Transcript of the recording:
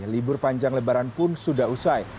libur panjang lebaran pun sudah usai